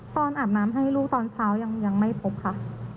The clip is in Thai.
อาบน้ำให้ลูกตอนเช้ายังไม่พบค่ะ